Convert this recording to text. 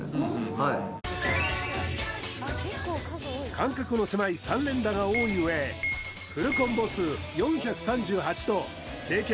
間隔の狭い３連打が多い上フルコンボ数４３８と経験